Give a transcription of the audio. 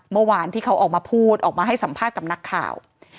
เมื่อวานที่เขาออกมาพูดออกมาให้สัมภาษณ์กับนักข่าว